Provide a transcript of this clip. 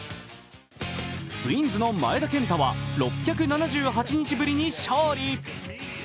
ツインズの前田健太は６７８日ぶりに勝利。